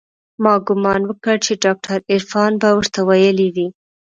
ما ګومان وکړ چې ډاکتر عرفان به ورته ويلي وي.